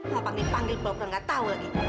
mau panggil panggil baru baru enggak tahu lagi